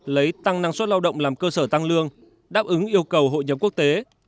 lấy tăng năng suất lao động làm cơ sở tăng lương đáp ứng yêu cầu hội nhập quốc tế